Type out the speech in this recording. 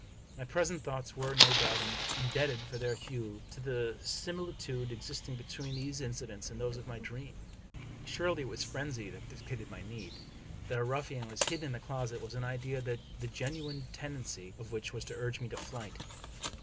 My present thoughts were, no doubt, indebted for their hue to the simili tude existing between these incidents and those of my dream. Surely it was frenzy that dictated my deed. That a ruffian was hidden in the closet was an idea the genuine tendency of which was to urge me to flight.